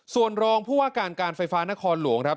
ส่วนรองผู้ว่าการการไฟฟ้านครหลวงครับ